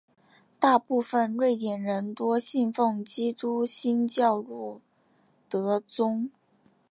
大部分瑞典人多信奉基督新教路德宗。